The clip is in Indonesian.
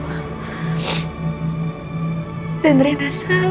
kami akan hidup dengan kehatan